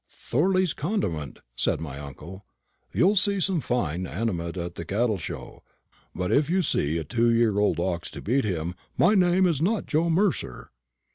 "Thorley's Condiment," said my uncle. "You'll see some fine animate at the Cattle show; but if you see a two year old ox to beat him, my name is not Joe Mercer."